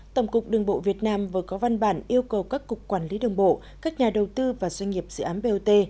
tổng cục đường bộ việt nam vừa có văn bản yêu cầu các cục quản lý đường bộ các nhà đầu tư và doanh nghiệp dự án bot